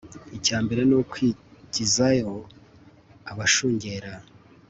icya mbere ni ukwigizayo abashungera